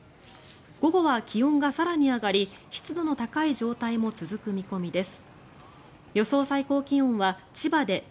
午後は、気温が更に上がり湿度の高い状態も続く見込みです。